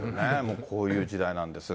こういう時代なんですが。